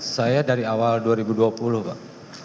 saya dari awal dua ribu dua puluh pak